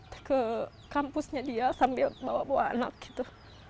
sampai aku ikut ke kampusnya dia sambil bawa bawa anak gitu